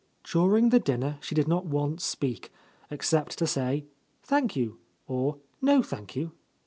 During the dinner she did not once speak, except to say, "Thank you," or "No, thank you."